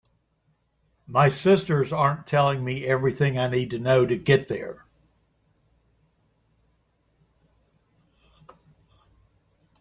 My sisters aren’t telling me everything I need to know to get there.